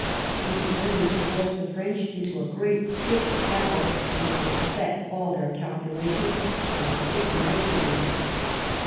He determined to force the French into a great pitched battle, and to upset all their calcula tions by a signal victory.